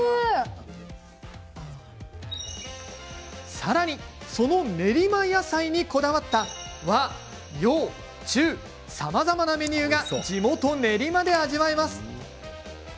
さらにその練馬野菜にこだわった和、洋、中さまざまなメニューが地元・練馬で味わえます。